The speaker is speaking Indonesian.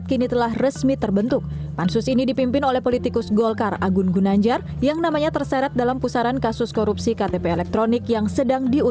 ini yang dipertanyakan